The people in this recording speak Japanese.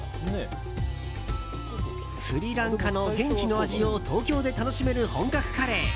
スリランカの現地の味を東京で楽しめる本格カレー。